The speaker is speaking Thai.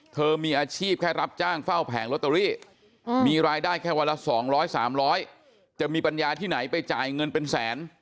เธอมีอาชีพแค่รับจ้างเฝ้าแผงลอตเตอรี่มีรายได้แค่วันละ๒๐๐๓๐๐จะมีปัญญาที่ไหนไปจ่ายเงินเป็นแสน